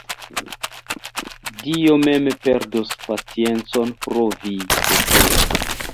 Dio mem perdos paciencon pro vi, pekulo!